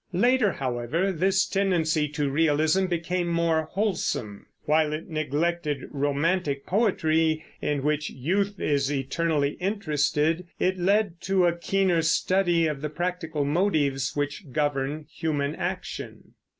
Later, however, this tendency to realism became more wholesome. While it neglected romantic poetry, in which youth is eternally interested, it led to a keener study of the practical motives which govern human action.